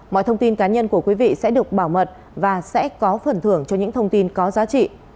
mọi thông tin cá nhân của quý vị sẽ được bảo mật và sẽ có phần thưởng cho những thông tin có giá trị